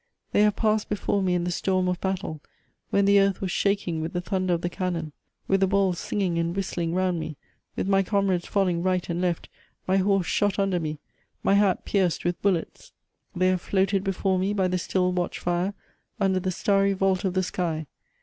They have passed before me in the storm of battle, when the earth was shaking with the thunder of the cannon, with the balls singing and whistling round me, with my comrades fall ing right and left, ray horse shot under me, my hat pierced" with bullets. They have floated before me by the still watch fire under the starry vault of the sky.